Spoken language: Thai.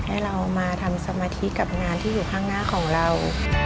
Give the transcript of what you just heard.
ให้เรามาทำสมาธิกับงานที่อยู่ข้างหน้าของเรา